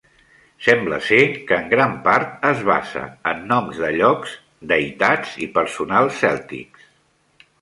Sembla ser que en gran part es basa en noms de llocs, deïtats i personals cèltics.